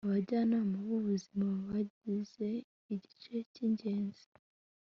abajyanama b'ubuzima bagize igice cy'ingenzi